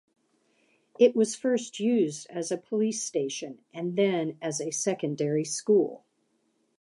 It was first used as a police station and then as a secondary school.